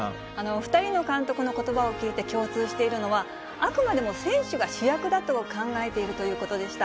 ２人の監督のことばを聞いて共通しているのは、あくまでも選手が主役だと考えているということでした。